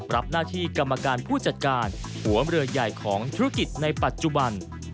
รับหน้าที่กรรมการผู้จัดการหัวเรือใหญ่ของธุรกิจในปัจจุบัน